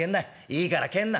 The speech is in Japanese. いいから帰んな。